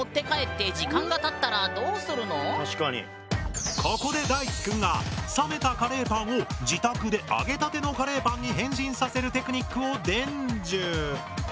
でもここで大樹くんが冷めたカレーパンを自宅で揚げたてのカレーパンに変身させるテクニックを伝授！